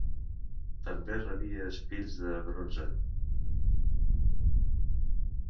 També rebia espills de bronze.